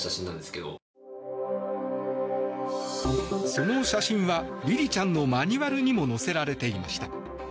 その写真はりりちゃんのマニュアルにも載せられていました。